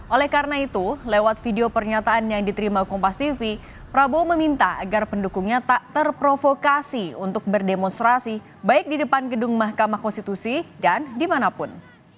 oleh karena itu lewat video pernyataan yang diterima kompas tv prabowo meminta agar pendukungnya tak terprovokasi untuk berdemonstrasi baik di depan gedung mahkamah konstitusi dan dimanapun